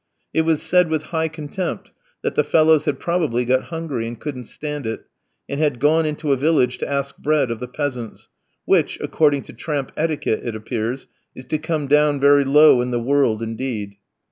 It was said, with high contempt, that the fellows had probably got hungry and couldn't stand it, and had gone into a village to ask bread of the peasants, which, according to tramp etiquette, it appears, is to come down very low in the world indeed.